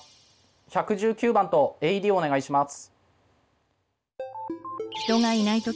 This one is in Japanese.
１１９番とＡＥＤお願いします。